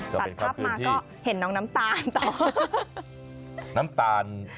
ตัดภาพมาก็เห็นน้องน้ำตาลต่อน้ำตาล